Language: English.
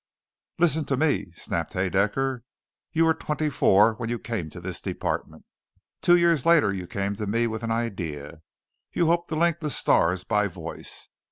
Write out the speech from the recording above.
"Listen to me," snapped Haedaecker. "You were twenty four when you came to this department. Two years later you came to me with an idea. You hoped to link the stars by voice.